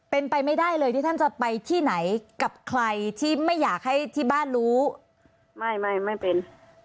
เป็นไปไม่ได้เลยที่ท่านจะไปที่ไหนกับใครที่ไม่อยากให้ที่บ้านรู้ไม่ไม่ไม่เป็น